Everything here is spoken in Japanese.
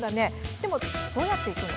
でも、どうやって行くの？